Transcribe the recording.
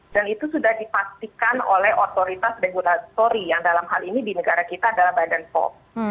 dan itu sudah dipastikan oleh otoritas regulasi yang dalam hal ini di negara kita adalah biden pol